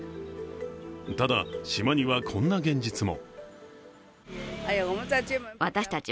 ただ、島にはこんな現実も。